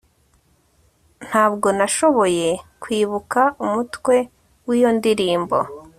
ntabwo nashoboye kwibuka umutwe w'iyo ndirimbo